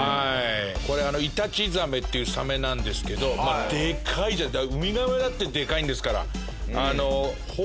これイタチザメっていうサメなんですけどでかいウミガメだってでかいんですから。